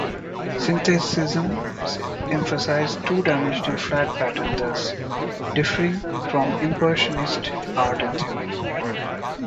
Synthetism emphasized two-dimensional flat patterns, thus differing from impressionist art and theory.